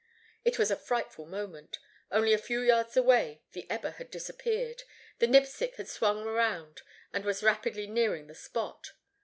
It was a frightful moment. Only a few yards away the Eber had disappeared. The Nipsic had swung around and was rapidly nearing the spot.